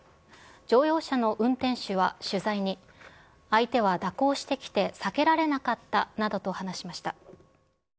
乗用車の運転手は取材に、相手は蛇行してきて避けられなかったなどと話しました。